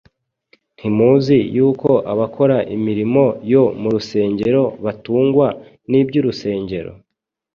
Ntimuzi yuko abakora imirimo yo mu rusengero batungwa n’iby’urusengero,